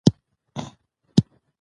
صداقت د انسان تر ټولو لویه شتمني ده.